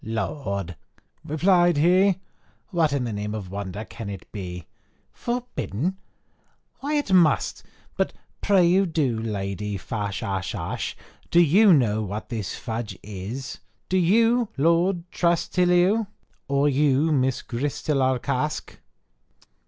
"Lord!" replied he, "what in the name of wonder can it be? Forbidden! why it must, but pray do you, Lady Fashashash, do you know what this fudge is? Do you, Lord Trastillauex? or you, Miss Gristilarkask?